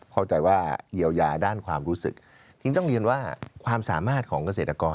เข้าใจว่าเยียวยาด้านความรู้สึกจริงต้องเรียนว่าความสามารถของเกษตรกร